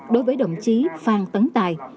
đối với đồng chí phan tấn tài